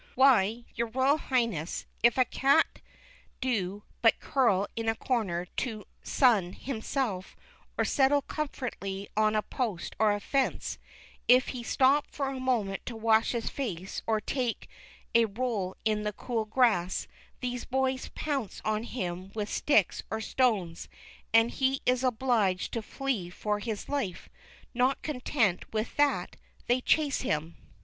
Why, your Royal Highness, if a cat do but curl in a corner to sun himself, or settle comfortably on a post or fence, if he stop for a moment to wash his face or to take a roll in the cool grass, these Boys pounce on him with sticks or stones, and he is obliged to flee for his life ; not content with that, they chase him.